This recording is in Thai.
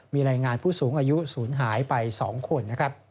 มีแรงงานผู้สูงอายุศูนย์หายไป๒คน